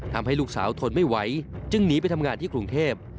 ทำให้ลูกสาวทนไม่ไหวจึงหนีไปทำงานที่กรุงเทพ